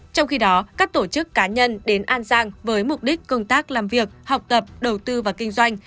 trong khi đó các tổ chức cá nhân đến an giang với mục đích công tác làm việc học tập đầu tư và kinh doanh